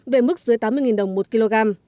về mức dưới tám mươi đồng một kg